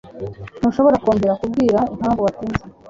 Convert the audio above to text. ntushobora kongera kumbwira impamvu watinze